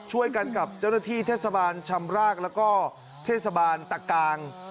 ช่วยกันกับเจ้าหน้าที่เทศบาลชำรากแล้วก็เทศบาลตะกลาง